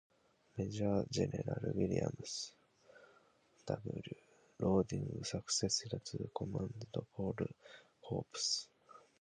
Major General William W. Loring succeeded to command Polk's corps.